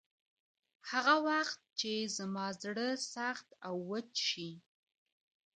هغه وخت چې زما زړه سخت او وچ شي.